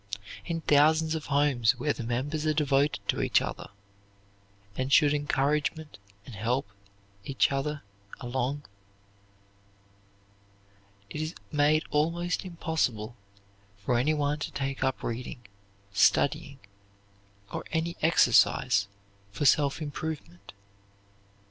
In thousands of homes where the members are devoted to each other, and should encourage and help each other along, it is made almost impossible for anyone to take up reading, studying, or any exercise for self improvement.